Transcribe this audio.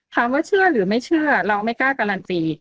ถามว่าเชื่อหรือไม่เชื่อเราไม่กล้าการันตี